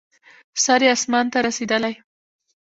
سر یې اسمان ته رسېدلی.